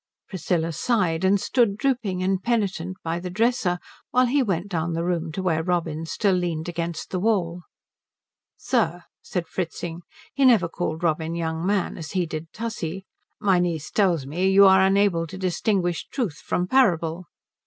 Priscilla sighed, and stood drooping and penitent by the dresser while he went down the room to where Robin still leaned against the wall. "Sir," said Fritzing he never called Robin young man, as he did Tussie "my niece tells me you are unable to distinguish truth from parable."